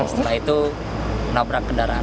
setelah itu nabrak kendaraan